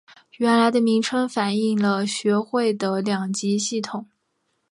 原来的名称反应了学会的两级系统。